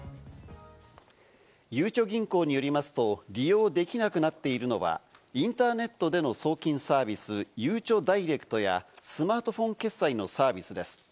ゆうちょ銀行によりますと、利用できなくなっているのは、インターネットでの送金サービス・ゆうちょダイレクトやスマートフォン決済のサービスです。